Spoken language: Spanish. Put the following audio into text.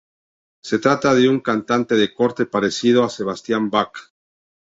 Se trata de un cantante de corte parecido a Sebastian Bach.